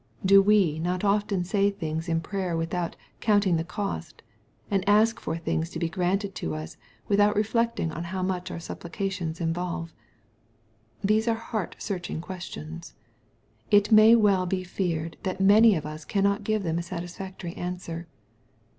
Do we not often say things in prayer without " counting the cost," and ask for things to be granted to us, without reflecting how much our supplications involve ? These are heart searching questions. It may well be feared that many of us cannot give them a satisfactory answer.